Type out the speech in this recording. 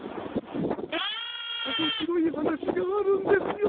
面白い話があるんですよ。